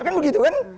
kan begitu kan